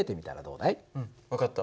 うん分かった。